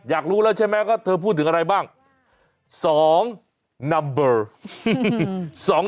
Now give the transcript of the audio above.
อยากรู้แล้วใช่ไหมว่าเธอพูดถึงอะไรบ้าง๒นัมเบอร์